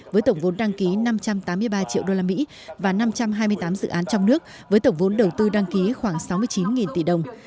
với tổng vốn đăng ký năm trăm tám mươi ba triệu usd và năm trăm hai mươi tám dự án trong nước với tổng vốn đầu tư đăng ký khoảng sáu mươi chín tỷ đồng